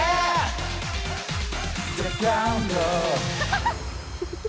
ハハハハ！